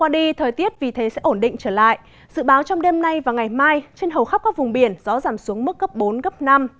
dự báo trong đêm nay và ngày mai trên hầu khắp các vùng biển gió giảm xuống mức cấp bốn cấp năm